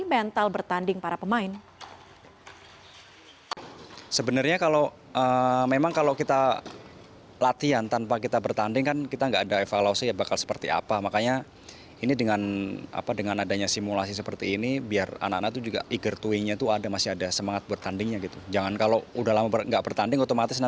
menyiasah kembali mental bertanding para pemain